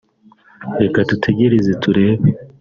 reka dutegereze turebe